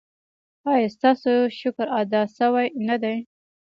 ایا ستاسو شکر ادا شوی نه دی؟